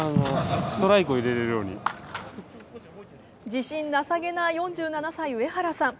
自信なさげな４７歳・上原さん。